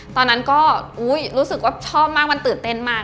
ตอนนั้นก็รู้สึกว่าชอบมากมันตื่นเต้นมาก